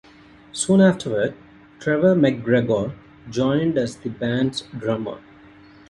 Soon afterward, Trevor MacGregor joined as the band's drummer.